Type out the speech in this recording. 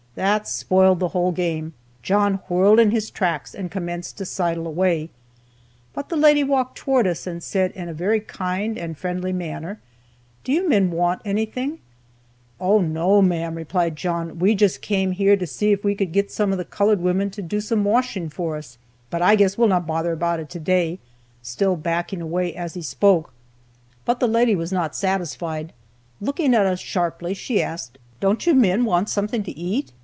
That spoiled the whole game; John whirled in his tracks and commenced to sidle away. But the lady walked towards us and said in a very kind and friendly manner: 'Do you men want anything?' 'Oh, no, ma'am,' replied John; 'we just came here to see if we could get some of the colored women to do some washing for us, but I guess we'll not bother about it today;' still backing away as he spoke. But the lady was not satisfied. Looking at us very sharply, she asked: 'Don't you men want something to eat?'